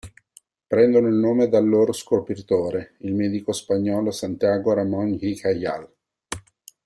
Prendono il nome dal loro scopritore, il medico spagnolo Santiago Ramón y Cajal.